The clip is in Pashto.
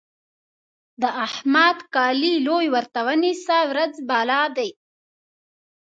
د احمد کالي لوی ورته ونيسه؛ ورځ بالا دی.